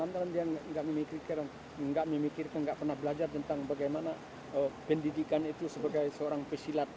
nanti dia tidak memikirkan tidak pernah belajar tentang bagaimana pendidikan itu sebagai seorang pesilat